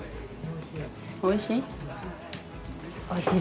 おいしい？